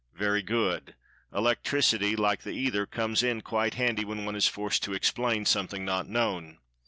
Very good—Electricity, like the "Ether," comes in quite handy when one is forced to explain something not known.